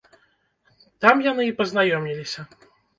Там яны і пазнаёміліся.